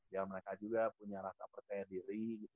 ya mereka juga punya rasa percaya diri gitu